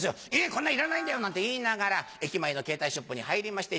「こんなんいらないんだよ！」なんて言いながら駅前のケータイショップに入りまして